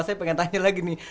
saya pengen tanya lagi nih